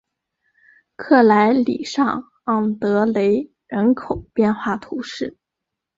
克莱里圣昂德雷人口变化图示